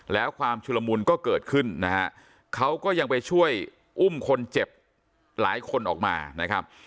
แล้วความชุลมุนก็เกิดขึ้นนะฮะเขาก็ยังไปช่วยอุ้มคนเจ็บหลายคนออกมานะครับ